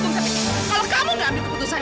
kalau kamu nggak ambil keputusan